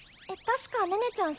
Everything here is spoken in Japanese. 確か寧々ちゃん